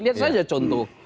lihat saja contoh